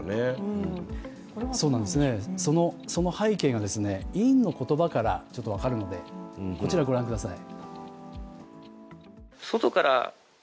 その背景が、委員の言葉から分かるので、こちらご覧ください。